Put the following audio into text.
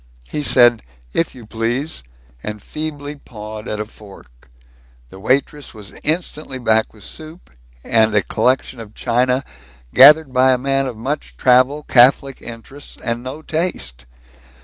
He said, "If you please," and feebly pawed at a fork. The waitress was instantly back with soup, and a collection of china gathered by a man of much travel, catholic interests, and no taste.